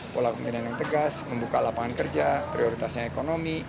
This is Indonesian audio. pola pembinaan yang tegas membuka lapangan kerja prioritasnya ekonomi